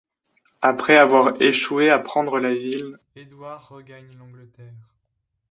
Après avoir échoué à prendre la ville, Édouard regagne l'Angleterre.